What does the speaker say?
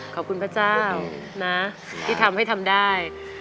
พระเจ้านะที่ทำให้ทำได้